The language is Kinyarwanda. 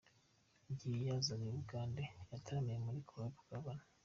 Igihe yazaga i Bugande, yataramiye muri Club Guvnor.